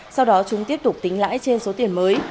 sau đó chúng tiếp tục tính lãi trên số tiền mới